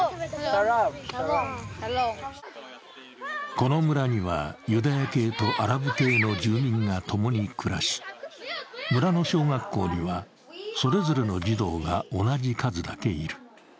この村には、ユダヤ系とアラブ系の住民が共に暮らし、村の小学校には、それぞれの児童が同じ数だけいる。